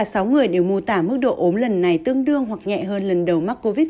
cả sáu người đều mô tả mức độ ốm lần này tương đương hoặc nhẹ hơn lần đầu mắc covid một mươi chín